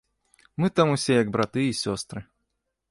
Мы там усе як браты і сёстры.